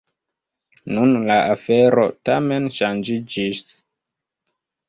Nun la afero tamen ŝanĝiĝis.